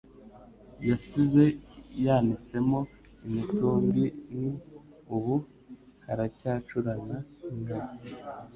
Yasize yanitsemo imitumbiN' ubu haracyacurana inkaba